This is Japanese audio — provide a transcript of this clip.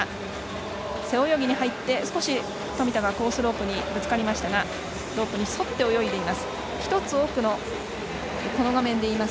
背泳ぎに入って、少し富田がコースロープにぶつかりましたがロープに沿って泳いでいます。